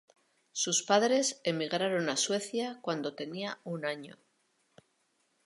Sus padres emigraron a Suecia cuando tenía un año.